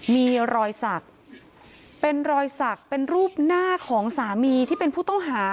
มีรอยสักเป็นรอยสักเป็นรูปหน้าของสามีที่เป็นผู้ต้องหา